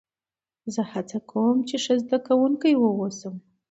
زه هڅه کوم، چي ښه زدهکوونکی واوسم.